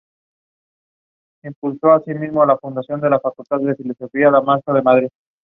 Fue supervisor general de animación para la serie anime Exodus!